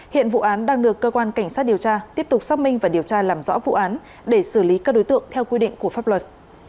hiện vụ án đang được cơ quan cảnh sát điều tra tiếp tục xác minh và điều tra làm rõ vụ án để xử lý các đối tượng theo quy định của pháp luật